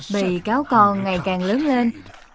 bị cáo con ngày càng lớn lên